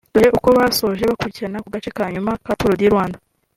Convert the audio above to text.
Dore uko basoje bakurikirana ku gace ka nyuma ka Tour du Rwanda